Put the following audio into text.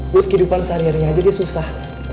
buat kehidupan sehari harinya aja dia susah